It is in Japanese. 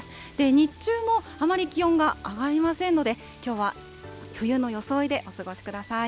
日中もあまり気温が上がりませんので、きょうは冬の装いでお過ごしください。